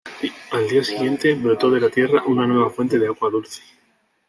Al día siguiente, brotó de la tierra una nueva fuente de agua dulce.